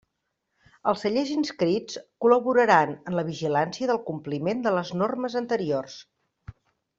Els cellers inscrits col·laboraran en la vigilància del compliment de les normes anteriors.